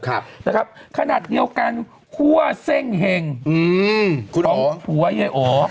ครับนะครับขนาดเดียวกันคั่วเส้งเห็งอืมของผัวยายโอ